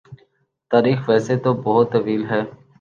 تاریخ ویسے تو بہت طویل ہے